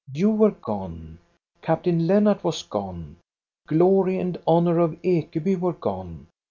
You were gone ; Captain Lennart was gone. The glory and honor of Ekeby were gone.